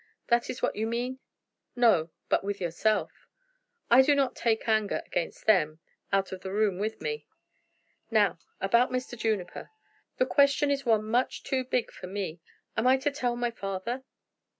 That is what you mean?" "No, but with yourself." "I do not take anger against them out of the room with me." "Now, about Mr. Juniper." "The question is one much too big for me. Am I to tell my father?"